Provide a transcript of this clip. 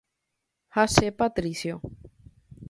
Ha che Patricio.